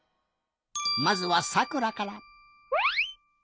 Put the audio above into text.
まずはさくらから。